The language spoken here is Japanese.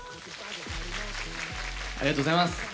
ありがとうございます。